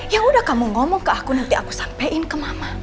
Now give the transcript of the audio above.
ya udah kamu ngomong ke aku nanti aku sampein ke mama